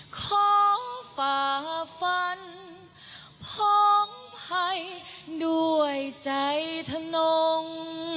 ขอฝ่าฟันพ้องไพ้ด้วยใจทะนง